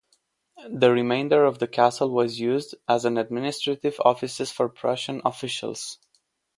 The remainder of the castle was used as administrative offices for Prussian officials.